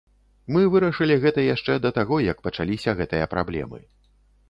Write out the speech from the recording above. Мы вырашылі гэта яшчэ да таго, як пачаліся гэтыя праблемы.